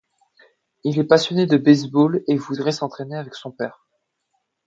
Il est passionné de baseball et voudrait s'entraîner avec son père.